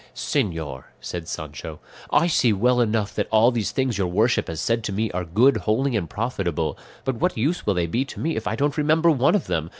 "Señor," said Sancho, "I see well enough that all these things your worship has said to me are good, holy, and profitable; but what use will they be to me if I don't remember one of them?